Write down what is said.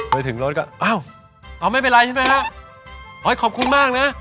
ไปถึงรถก็อ้าวเอาไม่เป็นไรใช่ไหมฮะโอ๊ยขอบคุณมากนะ